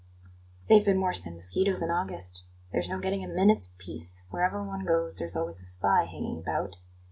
"They've been worse than mosquitos in August. There's no getting a minute's peace; wherever one goes, there's always a spy hanging about.